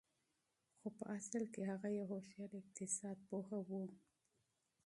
خو په اصل کې هغه يو هوښيار اقتصاد پوه و.